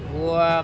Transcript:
gue kasih hadiah